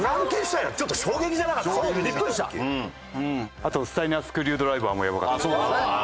あとスタイナースクリュードライバーもやばかったです。